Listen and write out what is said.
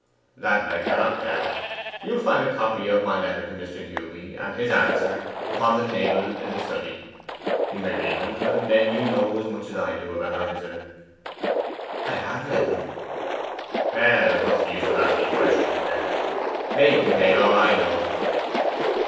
'That I cannot tell. You will find the copy of my letter to Mr. Hewby, and his answer, upon the table in the study. You may read them, and then you'll know as much as I do about our visitor.' 'I have read them.' 'Well, what's the use of asking questions, then? They contain all I know.